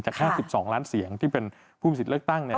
แค่๑๒ล้านเสียงที่เป็นผู้มีสิทธิ์เลือกตั้ง